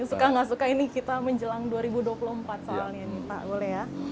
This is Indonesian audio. suka nggak suka ini kita menjelang dua ribu dua puluh empat soalnya nih pak boleh ya